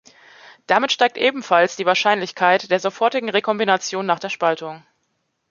Damit steigt ebenfalls die Wahrscheinlichkeit der sofortigen Rekombination nach der Spaltung.